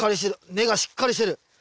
根がしっかりしてる。